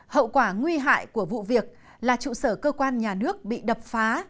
hậu quả nguy hại của vụ việc là trụ sở cơ quan nhà nước bị đập phá